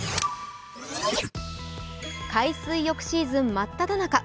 海水浴シーズン真っただ中。